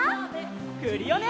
クリオネ！